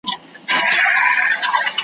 ښکاري کوتري .